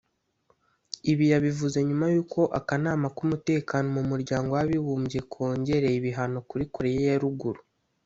Ibi yabivuze nyuma y’uko Akanama k’Umutekano mu Muryango w’Abibumbye kongereye ibihano kuri Koreya ya Ruguru